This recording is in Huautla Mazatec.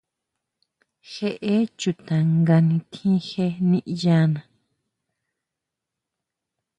Jeʼe chuta nga nitjín je niʼyana.